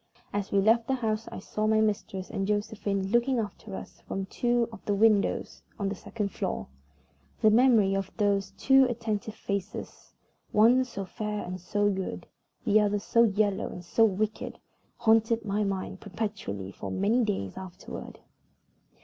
As we left the house I saw my mistress and Josephine looking after us from two of the windows on the second floor. The memory of those two attentive faces one so fair and so good, the other so yellow and so wicked haunted my mind perpetually for many days afterward.